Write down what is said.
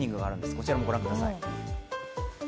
こちらもご覧ください。